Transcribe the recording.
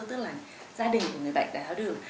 tức là gia đình của người bệnh tài thao đường